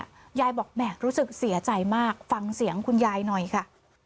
ยายบอกแหม่รู้สึกเสียใจมากฟังเสียงคุณยายหน่อยค่ะ